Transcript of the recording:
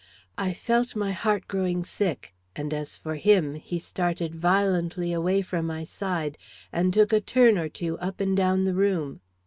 I felt, my heart growing sick, and as for him, he started violently away from my side, and took a turn or two up and down the room.